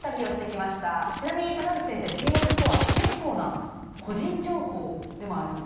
ちなみに高口先生信用スコア結構な個人情報でもあるんですよね？